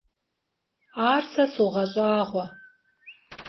Ар сэ согъэщӏагъуэ.